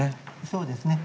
そうですね。